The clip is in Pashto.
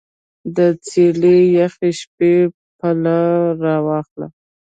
د څیلې یخه شپه کې پل راواخله